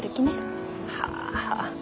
はあ。